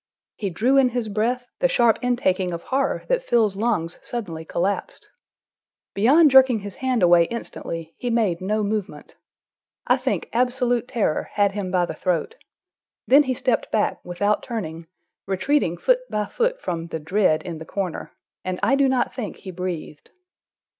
He drew in his breath, the sharp intaking of horror that fills lungs suddenly collapsed. Beyond jerking his hand away instantly, he made no movement. I think absolute terror had him by the throat. Then he stepped back, without turning, retreating foot by foot from The Dread in the corner, and I do not think he breathed.